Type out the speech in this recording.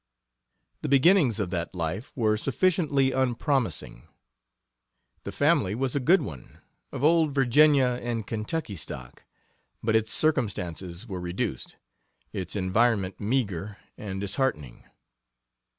The beginnings of that life were sufficiently unpromising. The family was a good one, of old Virginia and Kentucky stock, but its circumstances were reduced, its environment meager and disheartening.